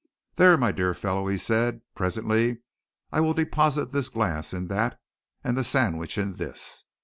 "There, my dear fellow," he said. "Presently I will deposit the glass in that, and the sandwich in this.